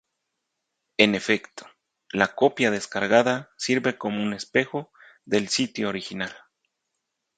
En efecto, la copia descargada sirve como un espejo del sitio original.